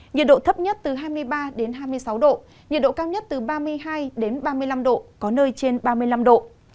nhiệt độ thấp nhất từ hai mươi ba hai mươi sáu độ nhiệt độ cao nhất từ ba mươi hai ba mươi năm độ có nơi trên ba mươi năm độ